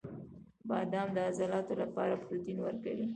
• بادام د عضلاتو لپاره پروټین ورکوي.